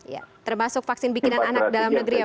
ya termasuk vaksin bikinan anak dalam negeri ya pak